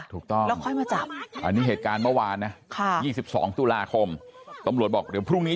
ถูกต้องแล้วค่อยมาจับอันนี้เหตุการณ์เมื่อวานนะ๒๒ตุลาคมตำรวจบอกเดี๋ยวพรุ่งนี้